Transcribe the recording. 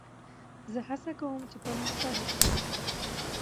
زه هڅه کوم، چي پرمختګ وکړم.